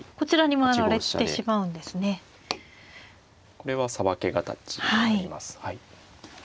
これはさばけ形になります。